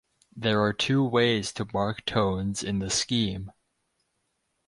There are two ways to mark tones in the scheme.